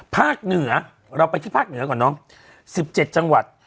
เหนือเราไปที่ภาคเหนือก่อนเนอะ๑๗จังหวัด